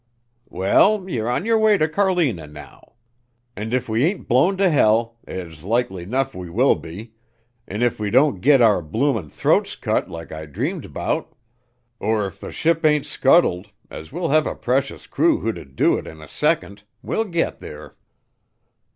"Well ye're on yer way to Carlina now. An' if we ain't blown t' hell, as likely 'nuff we will be, an' if we don't all git our bloomin' throats cut like I dreamed 'bout, er if the ship ain't scuttled as we'll have a precious crew who 'u'd do it in a second, we'll git there."